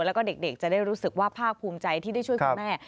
แล้วก็เด็กจะได้รู้สึกว่าภาคภูมิใจที่ได้ช่วยคุณแม่